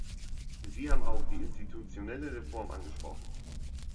Sie haben auch die institutionelle Reform angesprochen.